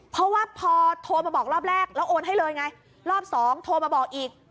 เพราะว่าพอโทรมาบอกรอบแรกแล้วโอนให้เลยไงรอบสองโทรมาบอกอีก